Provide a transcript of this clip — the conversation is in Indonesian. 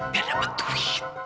biar dapat duit